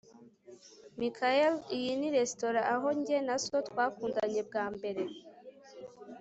michael, iyi ni resitora aho jye na so twakundanye bwa mbere